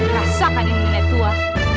rasakan ini nenek tua